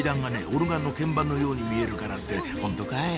オルガンの鍵盤のように見えるからってホントかい！